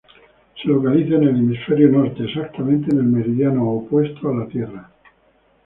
Se localiza en el hemisferio norte, exactamente en el meridiano opuesto a la Tierra.